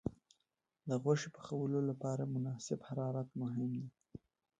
د غوښې پخولو لپاره مناسب حرارت مهم دی.